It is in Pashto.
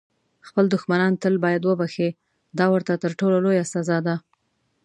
خپل دښمنان تل باید وبخښه، دا ورته تر ټولو لویه سزا ده.